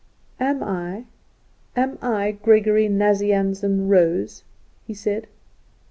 "Am I, am I Gregory Nazianzen Rose?" he said.